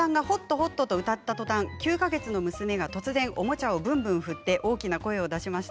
ホット！と歌ったとたん９か月の娘が突然おもちゃをぶんぶん振って大きな声を出しました。